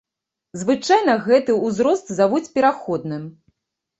Звычайна гэты ўзрост завуць пераходным.